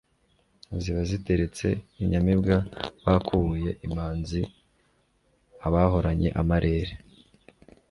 Ziba ziteretse inyamibwa Bakubuye imanziAbahoranye amarere